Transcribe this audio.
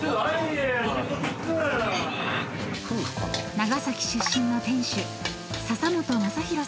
［長崎出身の店主］